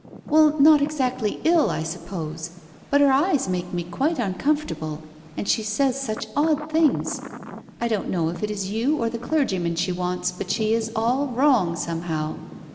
"Well, not exactly ill, I suppose, but her eyes make me quite uncomfortable, and she says such odd things ! I don't know if it is you or the clergyman she wants, but she is all wrong somehow